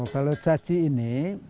kalau caci ini